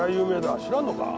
知らんのか？